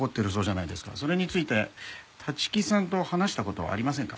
それについて立木さんと話した事はありませんか？